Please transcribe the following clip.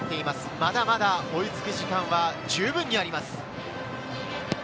まだまだ追いつく時間はじゅうぶんにあります。